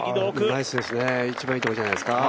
ナイスですね一番いいところじゃないですか。